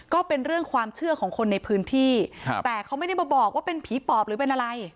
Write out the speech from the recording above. ก็เป็นเรื่องความเชื่อของคนในพื้นที่ครับแต่เขาไม่ได้มาบอกว่าเป็นผีปอบหรือเป็นอะไร